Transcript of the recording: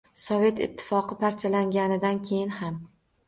Sovet ittifoqi parchalanganidan keyin ham